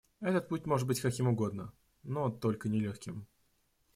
Этот путь может быть каким угодно, но только не легким.